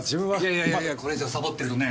いやいやいやこれ以上サボってるとね